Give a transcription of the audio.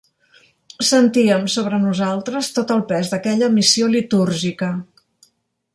Sentíem sobre nosaltres tot el pes d'aquella missió litúrgica.